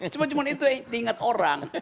cuma cuma itu diingat orang